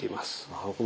なるほど。